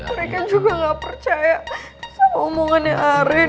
mereka juga gak percaya sama omongannya arin